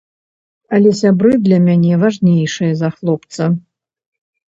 Але сябры для мяне важнейшыя за хлопца.